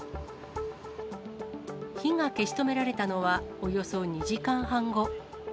火が消し止められたのはおよそ２時間半後。